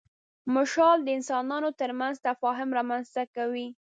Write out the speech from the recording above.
مشال د انسانانو تر منځ تفاهم رامنځ ته کوي.